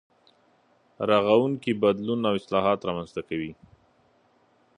رغونکی بدلون او اصلاحات رامنځته کوي.